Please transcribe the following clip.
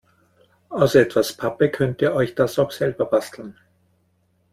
Aus etwas Pappe könnt ihr euch das auch selber basteln.